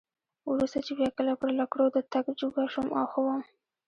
وروسته چې بیا کله پر لکړو د تګ جوګه شوم او ښه وم.